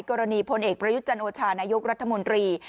กรณีพลเอกประยุทธจันทร์โอชาณายุครัฐมนตรี